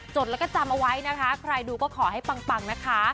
ดแล้วก็จำเอาไว้นะคะใครดูก็ขอให้ปังนะคะ